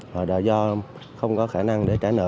họ đã do không có khả năng để trả nợ